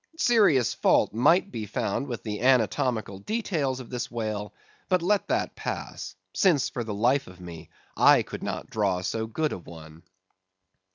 Serious fault might be found with the anatomical details of this whale, but let that pass; since, for the life of me, I could not draw so good a one.